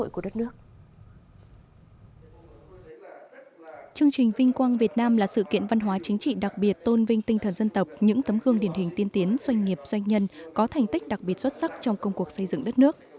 chương trình vinh quang việt nam là sự kiện văn hóa chính trị đặc biệt tôn vinh tinh thần dân tộc những tấm gương điển hình tiên tiến doanh nghiệp doanh nhân có thành tích đặc biệt xuất sắc trong công cuộc xây dựng đất nước